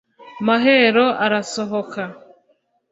mahero arasohoka